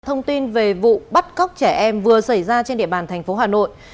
thông tin về vụ bắt cóc trẻ em vừa xảy ra trên địa bàn thành phố hà nội